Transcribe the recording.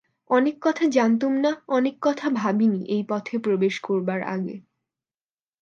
অনেক কথা জনাতুম না অনেক কথা ভাবি নি এই পথে প্রবেশ করবার আগে।